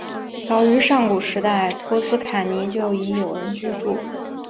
早于上古时代托斯卡尼就已有人居住。